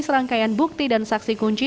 serangkaian bukti dan saksi kunci